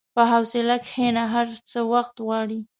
په حوصله کښېنه، هر څه وخت غواړي.